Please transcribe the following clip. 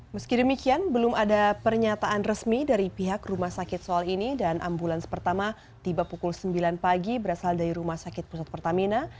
meski demikian belum ada pernyataan resmi dari pihak rumah sakit soal ini dan ambulans pertama tiba pukul sembilan pagi berasal dari rumah sakit pusat pertamina